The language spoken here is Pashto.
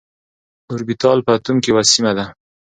اوربيتال په اتوم کي يوه سيمه ده.